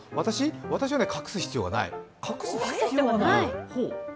私は隠す必要がない。